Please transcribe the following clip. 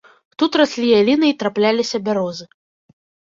Тут раслі яліны і трапляліся бярозы.